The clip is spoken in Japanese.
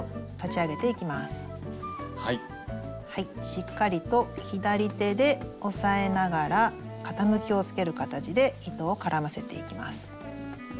しっかりと左手で押さえながら傾きをつける形で糸を絡ませていきます。